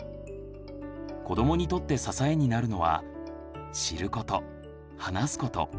子どもにとって支えになるのは「知ること」「話すこと」